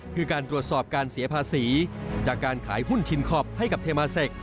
คือการตรวจสอบการเสียภาษีจากการขายหุ้นชินคอปให้กับเทมาเซค